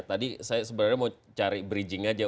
tadi saya sebenarnya mau cari bridging aja